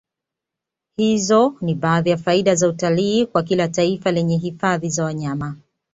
Hizo ni baadhi ya faida za utalii kwa kila taifa lenye hifadhi za wanyama